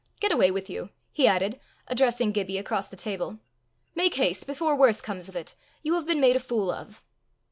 Get away with you," he added, addressing Gibbie across the table. "Make haste before worse comes of it. You have been made a fool of."